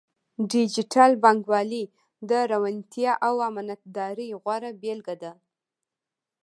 ډیجیټل بانکوالي د روڼتیا او امانتدارۍ غوره بیلګه ده.